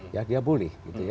ya dia boleh